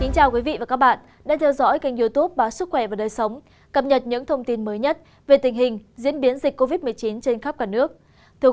chào mừng quý vị đến với bộ phim hãy nhớ like share và đăng ký kênh của chúng mình nhé